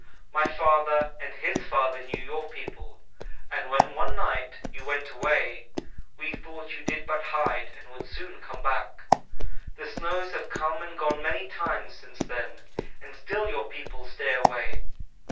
My father and his father knew your people, and when one night you went away, we thought you did but hide and would soon come back. The snows have come and gone many times since then, and still your people stay away.